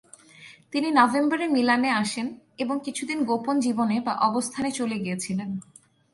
তিনি নভেম্বরে মিলানে আসে এবং কিছুদিন গোপন জীবনে বা অবস্থানে চলে গিয়েছিলেন।